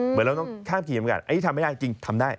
เหมือนเราต้องข้ามทีมกันอันนี้ทำไม่ได้จริงทำได้